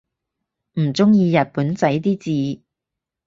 唔中意日本仔啲字